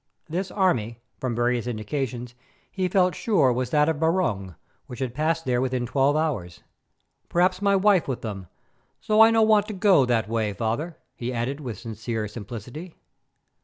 This army, from various indications, he felt sure was that of Barung, which had passed there within twelve hours. "Perhaps my wife with them, so I no want to go that way, father," he added with sincere simplicity.